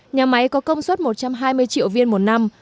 nhà máy có công suất một trăm hai mươi triệu viên một năm